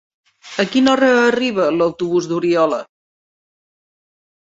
A quina hora arriba l'autobús d'Oriola?